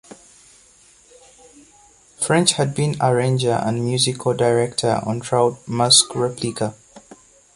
French had been arranger and musical director on "Trout Mask Replica".